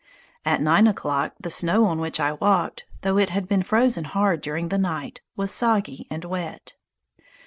At nine o'clock the snow on which I walked, though it had been frozen hard during the night, was soggy and wet.